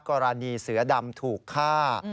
กรณีเสือดำถูกฆ่า